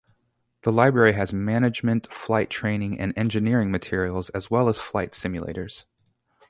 The library has management, flight training and engineering materials, as well as flight simulators.